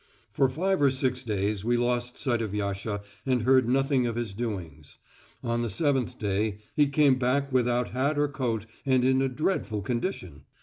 For five or six days we lost sight of Yasha and heard nothing of his doings. On the seventh day he came back without hat or coat and in a dreadful condition.